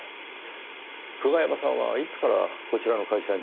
久我山さんはいつからこちらの会社に？